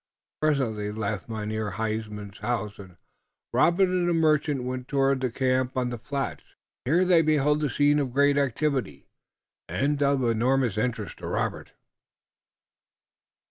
Presently they left Mynheer Huysman's house, and Robert and the merchant went toward the camp on the flats. Here they beheld a scene of great activity and of enormous interest to Robert.